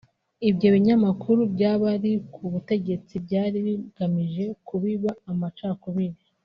Ibyo binyamakuru by’abari ku butegetsi byari bigamije kubiba amacakubiri